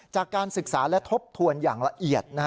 จากการศึกษาและทบทวนอย่างละเอียด